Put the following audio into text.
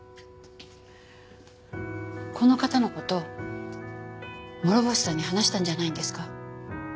この方の事諸星さんに話したんじゃないんですか？